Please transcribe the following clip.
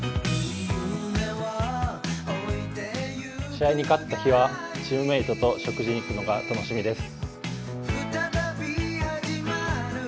試合に勝った日はチームメートと食事に行くのが楽しみです。